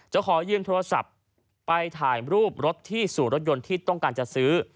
ขอยืมโทรศัพท์ไปถ่ายรูปรถที่สู่รถยนต์ที่ต้องการจะซื้อ